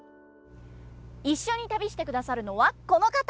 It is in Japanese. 一緒に旅してくださるのはこの方！